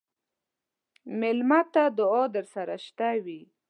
مېلمه ته دعا درسره شته وي.